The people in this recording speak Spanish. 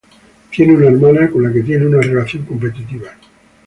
Tiene una hermana con la que tiene una relación competitiva.